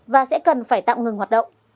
và sẽ cần phải tạm ngừng hoạt động